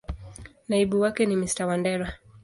Naibu wake ni Mr.Wandera.